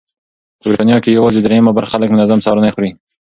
په بریتانیا کې یوازې درېیمه برخه خلک منظم سهارنۍ خوري.